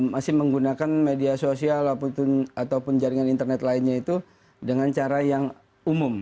masih menggunakan media sosial ataupun jaringan internet lainnya itu dengan cara yang umum